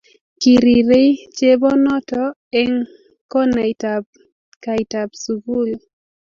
kirirei chebonoto eng konaitab kaitab sukul